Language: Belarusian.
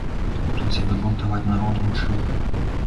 Хто цябе бунтаваць народ вучыў?